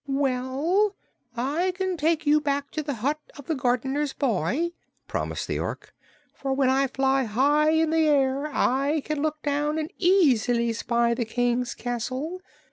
"Well, I can take you back to the hut of the gardener's boy," promised the Ork, "for when I fly high in the air I can look down and easily spy the King's castle.